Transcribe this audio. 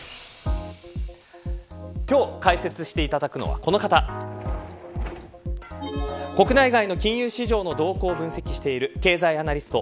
今日、解説していただくのはこちら国内外の金融市場の動向を分析している経済アナリスト